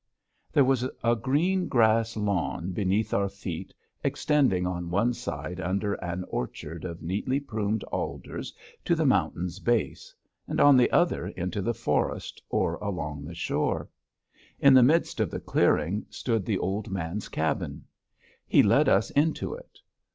There was a green grass lawn beneath our feet extending on one side under an orchard of neatly pruned alders to the mountain's base, and on the other into the forest or along the shore. In the midst of the clearing stood the old man's cabin. He led us into it.